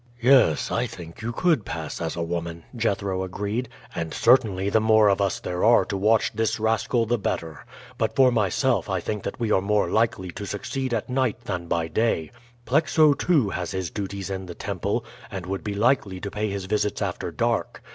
"Yes, I think you could pass as a woman," Jethro agreed; "and certainly the more of us there are to watch this rascal the better. But for myself I think that we are more likely to succeed by night than by day. Plexo, too, has his duties in the temple, and would be likely to pay his visits after dark.